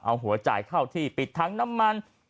เอาหัวจ่ายเข้าที่ปิดทั้งน้ำมัน